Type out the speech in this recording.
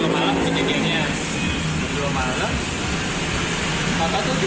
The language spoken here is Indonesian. masih bangun kiranya tuh halus halus nih